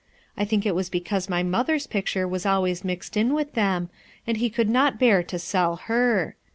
I think it was because my mother's picture was always mixed in with them, and he could not bear to sell her.